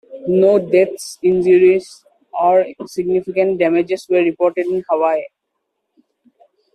No deaths, injuries or significant damages were reported in Hawaii.